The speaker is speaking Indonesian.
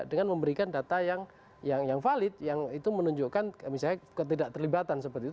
dengan memberikan data yang valid yang itu menunjukkan misalnya ketidakterlibatan seperti itu